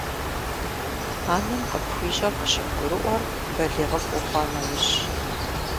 Анэм къыпхуищӀар къыщыбгурыӀуэр балигъыфӀ ухъуа нэужьщ.